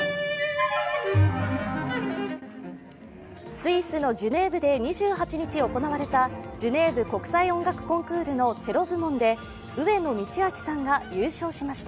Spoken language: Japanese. スイスのジュネーブで２８日行われたジュネーブ国際音楽コンクールのチェロ部門で上野道明さんが優勝しました。